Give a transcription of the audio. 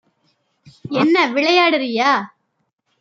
என்ன விளையாடுறியா?